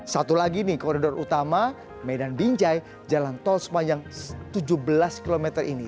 satu lagi nih koridor utama medan binjai jalan tol sepanjang tujuh belas km ini